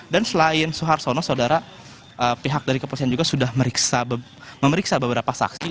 dan selain soeharto soeno pihak dari kepolisian juga sudah memeriksa beberapa saksi